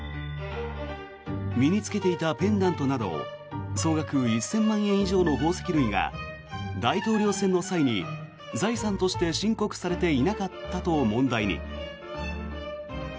身に着けていたペンダントなど総額１０００万円以上の宝石類が大統領選の際に、財産として申告されていなかったと問題に。